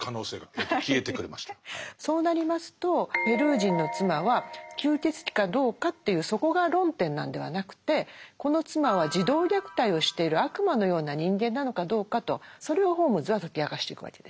そうなりますとペルー人の妻は吸血鬼かどうかというそこが論点なんではなくてこの妻は児童虐待をしている悪魔のような人間なのかどうかとそれをホームズは解き明かしていくわけです。